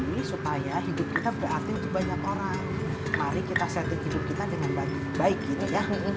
maya hidup kita berarti untuk banyak orang mari kita portland dengan baik baik nerves